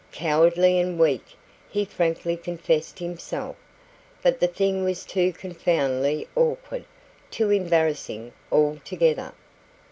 Cowardly and weak he frankly confessed himself. "But the thing was too confoundedly awkward too embarrassing altogether."